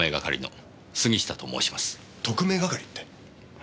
特命係って？